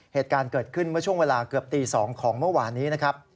เหตุการณ์เกิดขึ้นช่วงเวลาเกือบตี๒ของเมื่อวานนี้